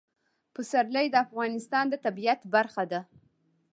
پسرلی د افغانستان د طبیعت برخه ده.